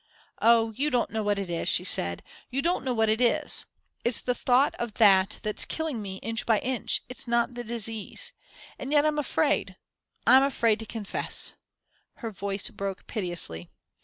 "Oh, you don't know what it is," she said, "you don't know what it is. It's the thought of that that's killing me inch by inch; it's not the disease. And yet I'm afraid I'm afraid to confess" her voice broke piteously.